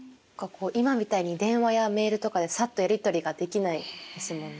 今みたいに電話やメールとかでさっとやり取りができないですもんね。